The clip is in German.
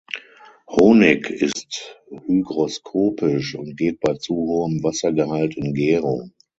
Honig ist hygroskopisch und geht bei zu hohem Wassergehalt in Gärung.